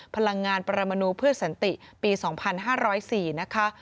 พลังงานปรมนูเพื่อสันติปี๒๕๐๔นะคะ